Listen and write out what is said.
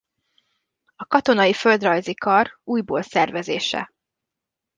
A katonai földrajzi kar ujból szervezése.